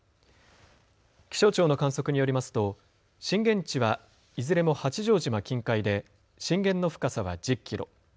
気象庁の観測によりますと震源地はいずれも八丈島近海で震源の深さは１０キロ。